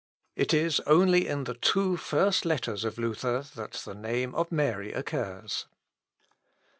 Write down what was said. It is only in the two first letters of Luther that the name of Mary occurs.